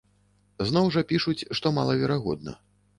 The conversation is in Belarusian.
Зноў жа пішуць, што малаверагодна.